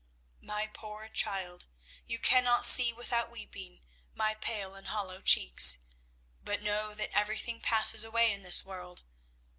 My poor child, you cannot see without weeping, my pale and hollow cheeks. But know that everything passes away in this world.